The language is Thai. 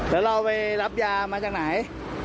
แล้วเราไปรับยามาจากไหน